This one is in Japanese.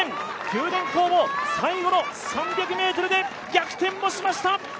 九電工も最後の３００ｍで逆転をしました。